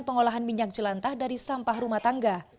pengolahan minyak jelantah dari sampah rumah tangga